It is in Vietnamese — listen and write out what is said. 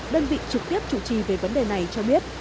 đơn vị trực tiếp chủ trì về vấn đề này cho biết